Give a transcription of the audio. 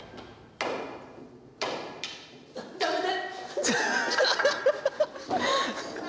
やめて！